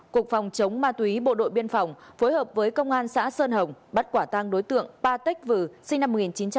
cục phòng chống ma túy bộ đội biên phòng phối hợp với công an xã sơn hồng bắt quả tàng đối tượng ba tích vừa sinh năm một nghìn chín trăm tám mươi tám